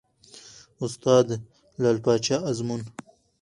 استاد : لعل پاچا ازمون